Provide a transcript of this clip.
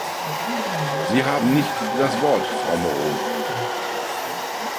Sie haben nicht das Wort, Frau Moreau.